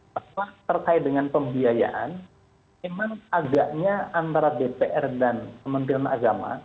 setelah terkait dengan pembiayaan memang agaknya antara dpr dan kementerian agama